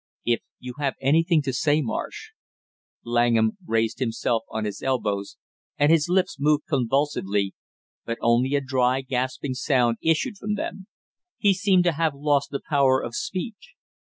"If you have anything to say, Marsh " Langham raised himself on his elbows and his lips moved convulsively, but only a dry gasping sound issued from them; he seemed to have lost the power of speech.